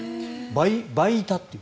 倍いたという。